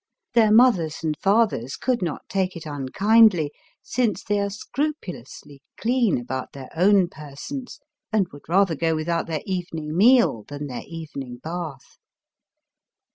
Their mothers and fathers could not take it unkindly, since they are scrupulously clean about their own persons, and would rather go without their evening meal than their evening bath.